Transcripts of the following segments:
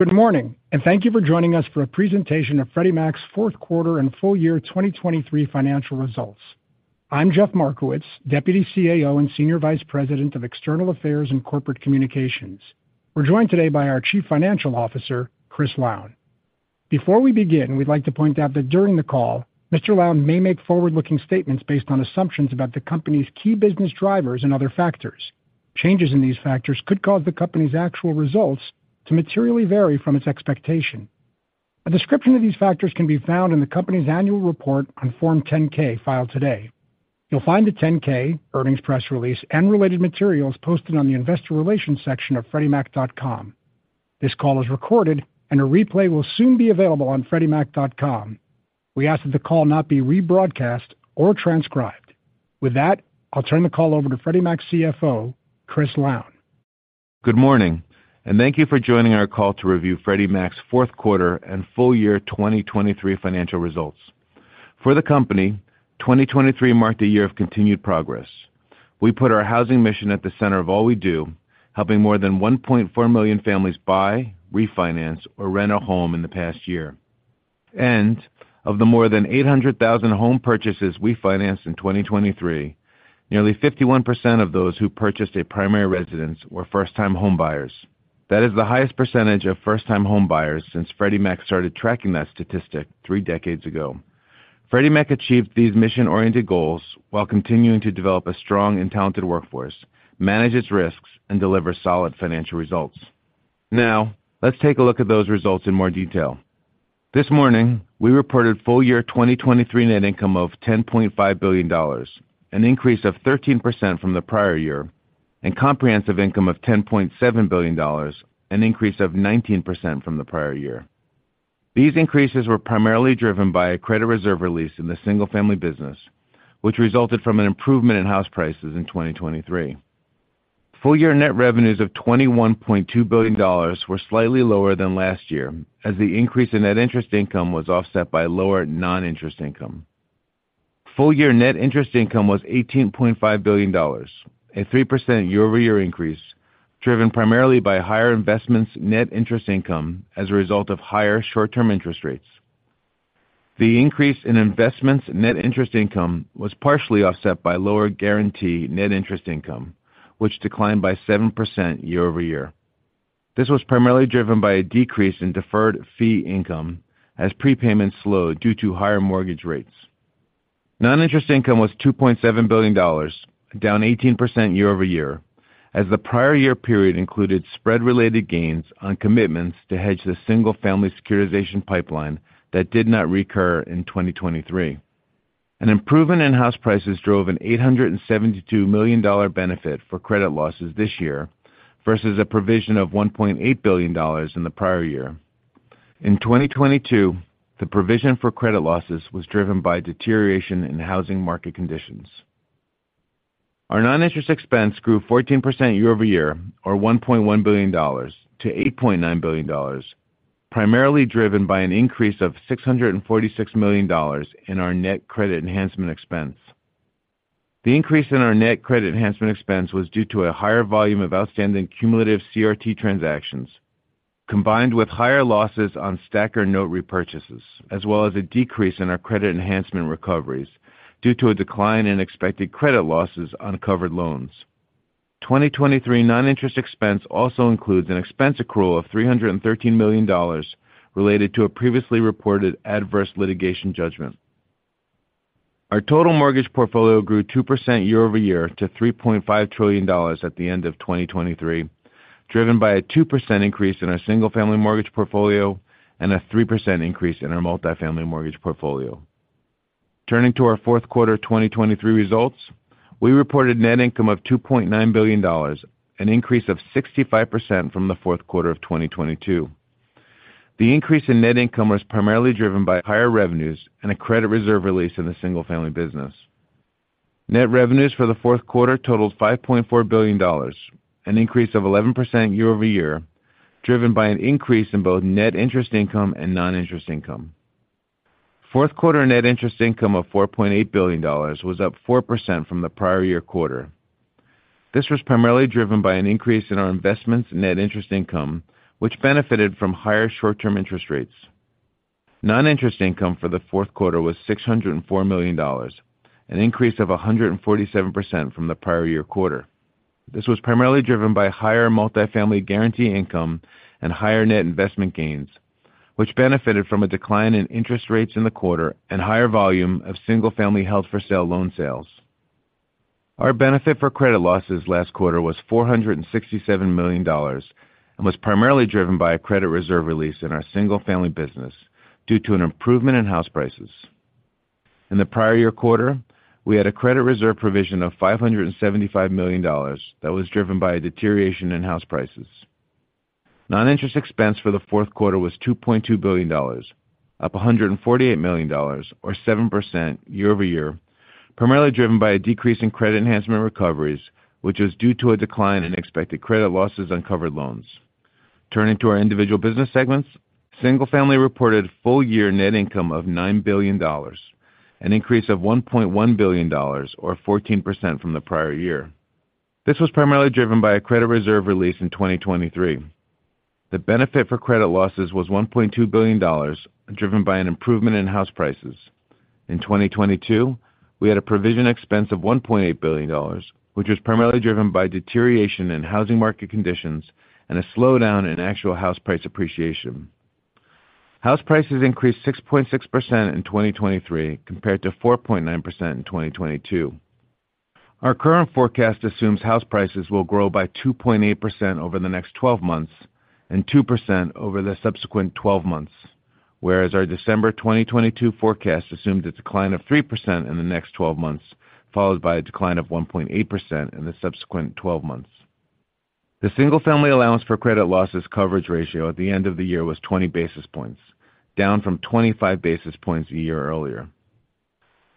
Good morning, and thank you for joining us for a presentation of Freddie Mac's fourth quarter and full year 2023 financial results. I'm Jeff Markowitz, Deputy CAO and Senior Vice President of External Affairs and Corporate Communications. We're joined today by our Chief Financial Officer, Chris Lown. Before we begin, we'd like to point out that during the call, Mr. Lown may make forward-looking statements based on assumptions about the company's key business drivers and other factors. Changes in these factors could cause the company's actual results to materially vary from its expectation. A description of these factors can be found in the company's annual report on Form 10-K filed today. You'll find the 10-K, earnings press release, and related materials posted on the investor relations section of FreddieMac.com. This call is recorded, and a replay will soon be available on FreddieMac.com. We ask that the call not be rebroadcast or transcribed. With that, I'll turn the call over to Freddie Mac CFO, Chris Lown. Good morning, and thank you for joining our call to review Freddie Mac's fourth quarter and full year 2023 financial results. For the company, 2023 marked a year of continued progress. We put our housing mission at the center of all we do, helping more than 1.4 million families buy, refinance, or rent a home in the past year. And of the more than 800,000 home purchases we financed in 2023, nearly 51% of those who purchased a primary residence were first-time homebuyers. That is the highest percentage of first-time homebuyers since Freddie Mac started tracking that statistic three decades ago. Freddie Mac achieved these mission-oriented goals while continuing to develop a strong and talented workforce, manage its risks, and deliver solid financial results. Now, let's take a look at those results in more detail. This morning, we reported full year 2023 net income of $10.5 billion, an increase of 13% from the prior year, and comprehensive income of $10.7 billion, an increase of 19% from the prior year. These increases were primarily driven by a credit reserve release in the single-family business, which resulted from an improvement in house prices in 2023. Full year net revenues of $21.2 billion were slightly lower than last year, as the increase in net interest income was offset by lower non-interest income. Full year net interest income was $18.5 billion, a 3% year-over-year increase driven primarily by higher investments' net interest income as a result of higher short-term interest rates. The increase in investments' net interest income was partially offset by lower guarantee net interest income, which declined by 7% year-over-year. This was primarily driven by a decrease in deferred fee income as prepayments slowed due to higher mortgage rates. Non-interest income was $2.7 billion, down 18% year-over-year, as the prior year period included spread-related gains on commitments to hedge the single-family securitization pipeline that did not recur in 2023. An improvement in house prices drove an $872 million benefit for credit losses this year versus a provision of $1.8 billion in the prior year. In 2022, the provision for credit losses was driven by deterioration in housing market conditions. Our non-interest expense grew 14% year-over-year, or $1.1 billion, to $8.9 billion, primarily driven by an increase of $646 million in our net credit enhancement expense. The increase in our net credit enhancement expense was due to a higher volume of outstanding cumulative CRT transactions, combined with higher losses on STACR note repurchases, as well as a decrease in our credit enhancement recoveries due to a decline in expected credit losses on covered loans. 2023 non-interest expense also includes an expense accrual of $313 million related to a previously reported adverse litigation judgment. Our total mortgage portfolio grew 2% year-over-year to $3.5 trillion at the end of 2023, driven by a 2% increase in our single-family mortgage portfolio and a 3% increase in our multifamily mortgage portfolio. Turning to our fourth quarter 2023 results, we reported net income of $2.9 billion, an increase of 65% from the fourth quarter of 2022. The increase in net income was primarily driven by higher revenues and a credit reserve release in the single-family business. Net revenues for the fourth quarter totaled $5.4 billion, an increase of 11% year-over-year, driven by an increase in both net interest income and non-interest income. Fourth quarter net interest income of $4.8 billion was up 4% from the prior year quarter. This was primarily driven by an increase in our investments' net interest income, which benefited from higher short-term interest rates. Non-interest income for the fourth quarter was $604 million, an increase of 147% from the prior year quarter. This was primarily driven by higher multifamily guarantee income and higher net investment gains, which benefited from a decline in interest rates in the quarter and higher volume of single-family held-for-sale loan sales. Our benefit for credit losses last quarter was $467 million and was primarily driven by a credit reserve release in our single-family business due to an improvement in house prices. In the prior year quarter, we had a credit reserve provision of $575 million that was driven by a deterioration in house prices. Non-interest expense for the fourth quarter was $2.2 billion, up $148 million, or 7% year-over-year, primarily driven by a decrease in credit enhancement recoveries, which was due to a decline in expected credit losses on covered loans. Turning to our individual business segments, single-family reported full year net income of $9 billion, an increase of $1.1 billion, or 14% from the prior year. This was primarily driven by a credit reserve release in 2023. The benefit for credit losses was $1.2 billion, driven by an improvement in house prices. In 2022, we had a provision expense of $1.8 billion, which was primarily driven by deterioration in housing market conditions and a slowdown in actual house price appreciation. House prices increased 6.6% in 2023 compared to 4.9% in 2022. Our current forecast assumes house prices will grow by 2.8% over the next 12 months and 2% over the subsequent 12 months, whereas our December 2022 forecast assumed a decline of 3% in the next 12 months followed by a decline of 1.8% in the subsequent 12 months. The single-family allowance for credit losses coverage ratio at the end of the year was 20 basis points, down from 25 basis points a year earlier.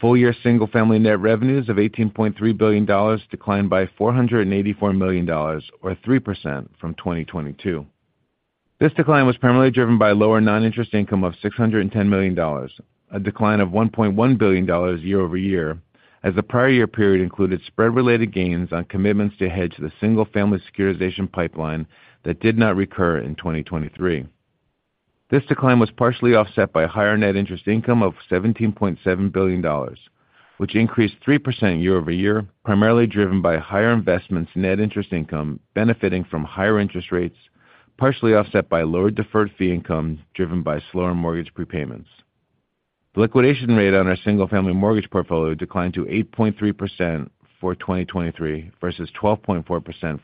Full year single-family net revenues of $18.3 billion declined by $484 million, or 3% from 2022. This decline was primarily driven by lower non-interest income of $610 million, a decline of $1.1 billion year-over-year as the prior year period included spread-related gains on commitments to hedge the single-family securitization pipeline that did not recur in 2023. This decline was partially offset by higher net interest income of $17.7 billion, which increased 3% year-over-year, primarily driven by higher investments' net interest income benefiting from higher interest rates, partially offset by lower deferred fee income driven by slower mortgage prepayments. The liquidation rate on our single-family mortgage portfolio declined to 8.3% for 2023 versus 12.4% for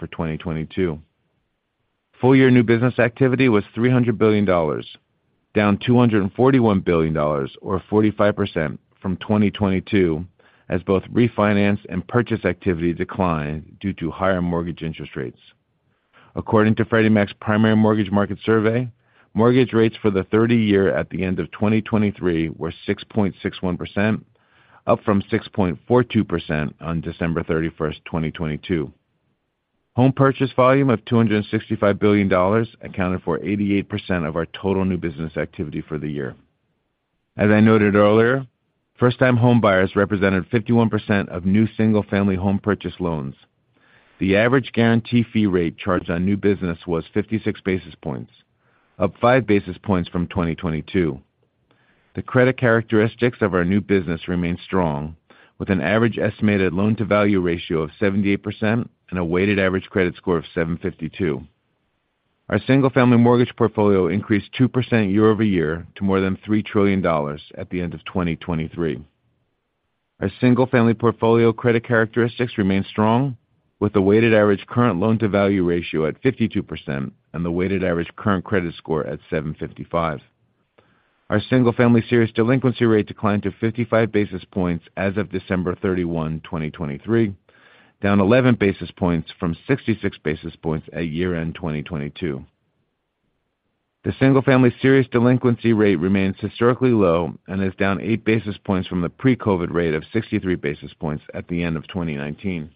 2022. Full year new business activity was $300 billion, down $241 billion, or 45% from 2022 as both refinance and purchase activity declined due to higher mortgage interest rates. According to Freddie Mac's Primary Mortgage Market Survey, mortgage rates for the 30-year at the end of 2023 were 6.61%, up from 6.42% on December 31st, 2022. Home purchase volume of $265 billion accounted for 88% of our total new business activity for the year. As I noted earlier, first-time homebuyers represented 51% of new single-family home purchase loans. The average guarantee fee rate charged on new business was 56 basis points, up 5 basis points from 2022. The credit characteristics of our new business remained strong, with an average estimated loan-to-value ratio of 78% and a weighted average credit score of 752. Our single-family mortgage portfolio increased 2% year-over-year to more than $3 trillion at the end of 2023. Our single-family portfolio credit characteristics remained strong, with a weighted average current loan-to-value ratio at 52% and the weighted average current credit score at 755. Our single-family serious delinquency rate declined to 55 basis points as of December 31, 2023, down 11 basis points from 66 basis points at year-end 2022. The single-family serious delinquency rate remains historically low and is down 8 basis points from the pre-COVID rate of 63 basis points at the end of 2019.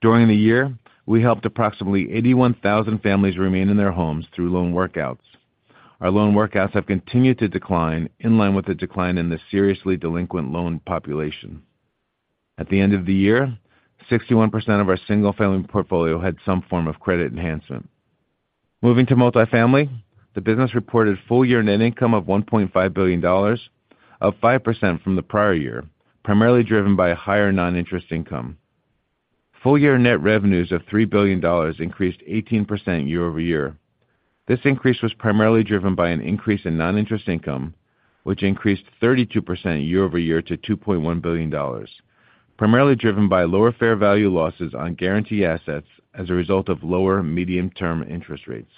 During the year, we helped approximately 81,000 families remain in their homes through loan workouts. Our loan workouts have continued to decline in line with the decline in the seriously delinquent loan population. At the end of the year, 61% of our single-family portfolio had some form of credit enhancement. Moving to multifamily, the business reported full year net income of $1.5 billion, up 5% from the prior year, primarily driven by higher non-interest income. Full year net revenues of $3 billion increased 18% year-over-year. This increase was primarily driven by an increase in non-interest income, which increased 32% year-over-year to $2.1 billion, primarily driven by lower fair value losses on guarantee assets as a result of lower medium-term interest rates.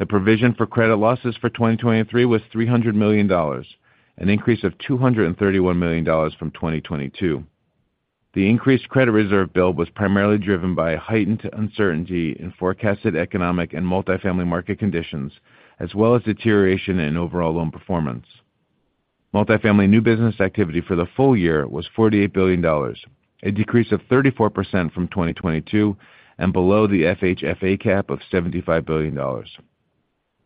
The provision for credit losses for 2023 was $300 million, an increase of $231 million from 2022. The increased credit reserve build was primarily driven by heightened uncertainty in forecasted economic and multifamily market conditions as well as deterioration in overall loan performance. Multifamily new business activity for the full year was $48 billion, a decrease of 34% from 2022 and below the FHFA cap of $75 billion.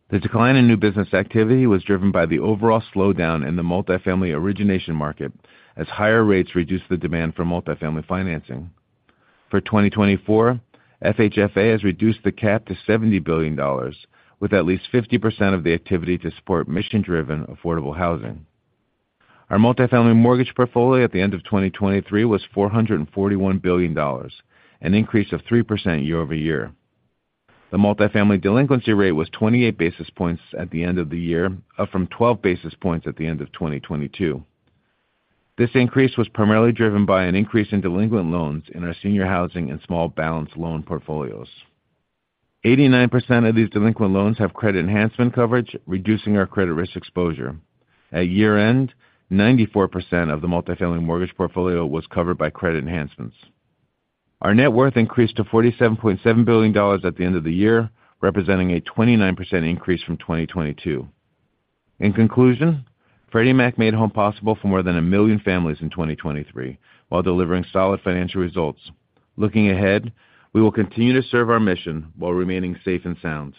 The decline in new business activity was driven by the overall slowdown in the multifamily origination market as higher rates reduced the demand for multifamily financing. For 2024, FHFA has reduced the cap to $70 billion, with at least 50% of the activity to support mission-driven affordable housing. Our multifamily mortgage portfolio at the end of 2023 was $441 billion, an increase of 3% year-over-year. The multifamily delinquency rate was 28 basis points at the end of the year, up from 12 basis points at the end of 2022. This increase was primarily driven by an increase in delinquent loans in our senior housing and small balance loan portfolios. 89% of these delinquent loans have credit enhancement coverage, reducing our credit risk exposure. At year-end, 94% of the multifamily mortgage portfolio was covered by credit enhancements. Our net worth increased to $47.7 billion at the end of the year, representing a 29% increase from 2022. In conclusion, Freddie Mac made home possible for more than 1 million families in 2023 while delivering solid financial results. Looking ahead, we will continue to serve our mission while remaining safe and sound.